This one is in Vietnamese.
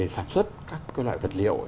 sản xuất các cái loại vật liệu